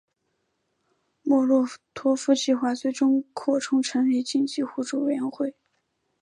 莫洛托夫计划最终扩充成立经济互助委员会。